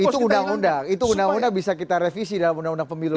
itu undang undang bisa kita revisi dalam undang undang pemilu